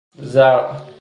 زرع